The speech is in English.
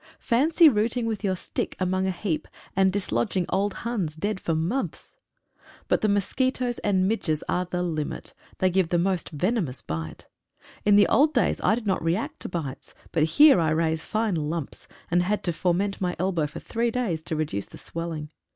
Fancy rooting with your stick among a heap and dislodging old Huns dead for months. But the mosquitoes and midges are the limit. They give a most venomous bite. In the old days I did not react to bites, but here I raise fine lumps, and had to forment my elbow for three days to reduce the swelling.